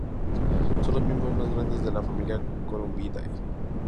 Son los miembros más grandes de la familia Columbidae.